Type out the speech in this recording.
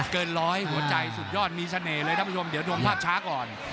เกินร้อยหัวใจสุดยอดมีเสน่ห์เลยท่านผู้ชมเดี๋ยวดูภาพช้าก่อน